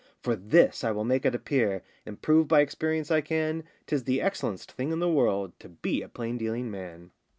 For this I will make it appear, And prove by experience I can, 'Tis the excellen'st thing in the world To be a plain dealing man.